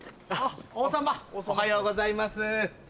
王様おはようございます。